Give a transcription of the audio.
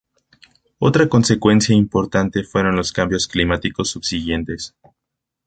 Otra consecuencia importante fueron los cambios climáticos subsiguientes.